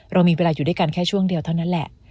เรามีเวลาอยู่ด้วยกันแค่ช่วงเดียวเท่านั้นแหละ